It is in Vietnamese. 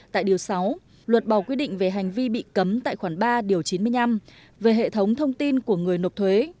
tại điều sáu luật bỏ quy định về hành vi bị cấm tại khoản ba điều chín mươi năm về hệ thống thông tin của người nộp thuế